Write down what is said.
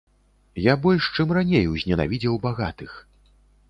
Я больш, чым раней, узненавідзеў багатых.